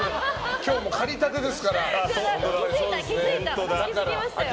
今日も、かりたてですから。